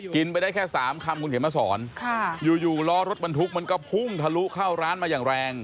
กินไปได้แค่๓คำคุณเขียนมาสอนอยู่ล้อรถบรรทุกมันก็พุ่งทะลุเข้าร้านมาอย่างแรง